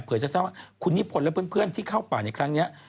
เพื่อจะทราบว่าคุณนิพนธ์และเพื่อนที่เข้าป่าในครั้งนี้